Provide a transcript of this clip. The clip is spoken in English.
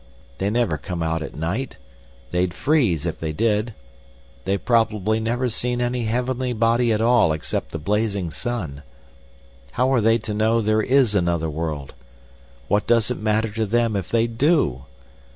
They never come out at night—they'd freeze if they did. They've probably never seen any heavenly body at all except the blazing sun. How are they to know there is another world? What does it matter to them if they do?